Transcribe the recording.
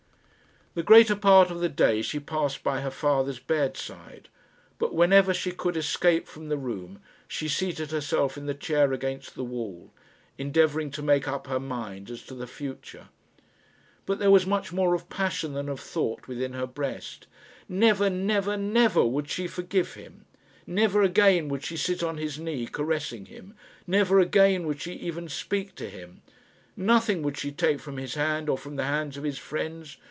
The greater part of the day she passed by her father's bedside, but whenever she could escape from the room, she seated herself in the chair against the wall, endeavouring to make up her mind as to the future. But there was much more of passion than of thought within her breast. Never, never, never would she forgive him! Never again would she sit on his knee caressing him. Never again would she even speak to him. Nothing would she take from his hand, or from the hands of his friends!